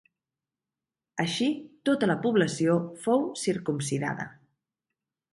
Així, tota la població fou circumcidada.